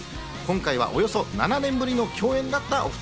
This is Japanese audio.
今回がおよそ７年ぶりの共演だったお２人。